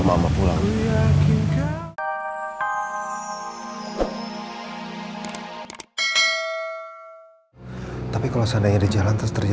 sampai jumpa di video selanjutnya